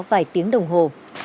vài tiếng đồng hồ